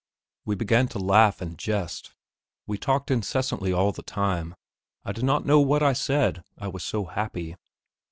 We began to laugh and jest; we talked incessantly all the time. I do not know what I said, I was so happy.